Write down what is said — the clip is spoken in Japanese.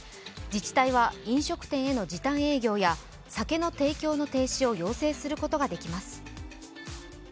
自治体は飲食店への時短営業や酒の提供の停止を要請することができます。